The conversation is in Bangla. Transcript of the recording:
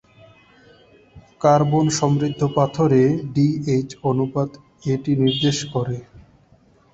কার্বন সমৃদ্ধ পাথরে ডি/এইচ অনুপাত এটি নির্দেশ করে।